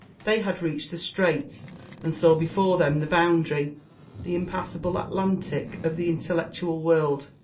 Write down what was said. They had reached the straits, and saw before them the boundary, the impassable Atlantic, of the intel lectual world.